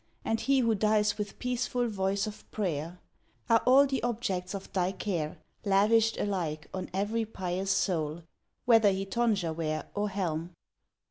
And lie who dies with peaceful voice of prayer, Are all the objects of Thy care, lavished alike On every pious soul, whether he tonsure wear or helm.